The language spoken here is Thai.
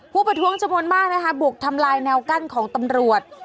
ประท้วงจำนวนมากนะคะบุกทำลายแนวกั้นของตำรวจ